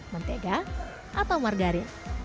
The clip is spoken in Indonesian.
mentega atau margarin